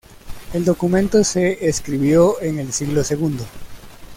El documento se escribió en el siglo segundo.